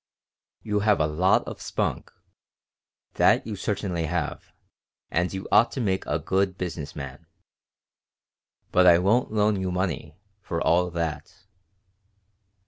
"You have a lot of spunk. That you certainly have, and you ought to make a good business man, but I won't loan you money, for all that."